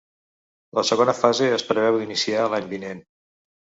La segona fase es preveu d’iniciar l’any vinent.